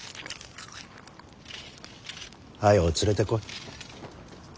早う連れてこい。